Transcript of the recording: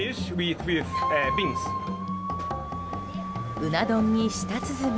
うな丼に舌鼓。